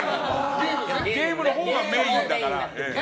ゲームのほうがメインだから。